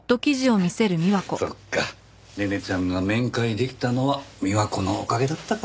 そっか寧々ちゃんが面会できたのは美和子のおかげだったか。